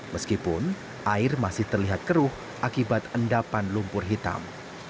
meskipun air masih terlihat keruh akibat endapan lumpur hitam